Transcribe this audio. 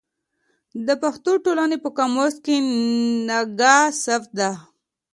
د پښتو ټولنې په قاموس کې نګه ثبت ده.